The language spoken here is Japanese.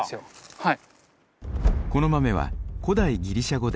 はい。